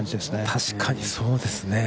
確かにそうですね。